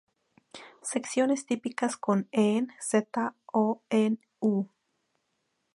Secciones típicas son 'en Z' o 'en U'.